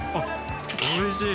おいしい。